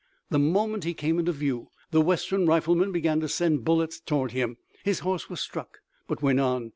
The moment he came into view the western riflemen began to send bullets toward him. His horse was struck, but went on.